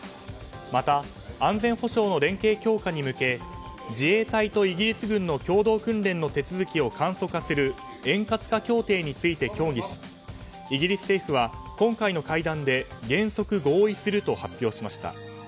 また、安全保障の連携強化に向け自衛隊とイギリス軍の共同訓練の手続きを簡素化する円滑化協定について協議しイギリス政府は、今回の会談で原則合意すると発表しました。